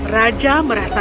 raja merasa senang